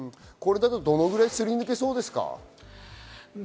どのぐらいすり抜けそうですか？